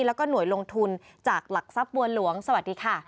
แล้วก็หน่วยลงทุนจากหลักทรัพย์บัวหลวงสวัสดีค่ะ